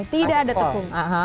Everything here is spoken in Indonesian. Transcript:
tidak ada tepung